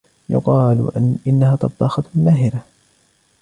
يقال انها طباخة ماهرة.